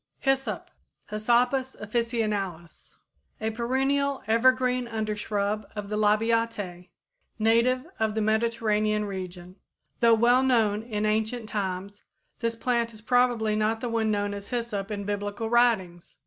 =Hyssop= (Hyssopus officinalis, Linn.), a perennial evergreen undershrub of the Labiatæ, native of the Mediterranean region. Though well known in ancient times, this plant is probably not the one known as hyssop in Biblical writings.